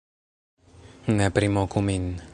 Ne primoku min